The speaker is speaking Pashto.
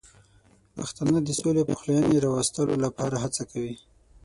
پښتانه د سولې او پخلاینې راوستلو لپاره هڅه کوي.